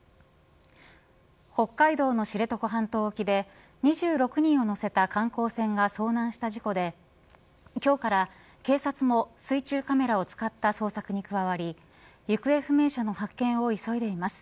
北海道の知床半島沖で２６人を乗せた観光船が遭難した事故で今日から警察も水中カメラを使った捜索に加わり行方不明者の発見を急いでいます。